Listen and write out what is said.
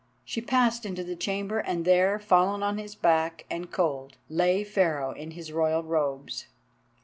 She passed into the chamber, and there, fallen on his back and cold, lay Pharaoh in his royal robes.